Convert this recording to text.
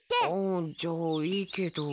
あっじゃあいいけど。